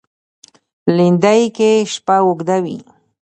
لېندۍ کې شپه اوږده وي.